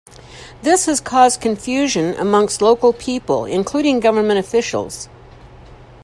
This has caused confusion amongst local people, including government officials.